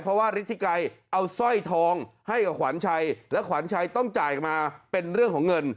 เพราะว่าฤทธิไกรเอาสร้อยทองให้กับขวัญชัยและขวัญชัยต้องจ่ายมาเป็นเรื่องของเงิน